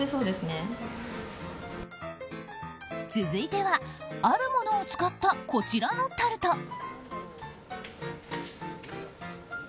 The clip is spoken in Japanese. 続いては、あるものを使ったこちらのタルト。